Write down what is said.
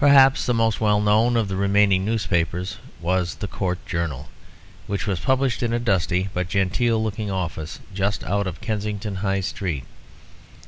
Perhaps the most well known of the remaining newspapers was the Court Journal, which was published in a dusty but genteel looking office just out of Kensington High Street.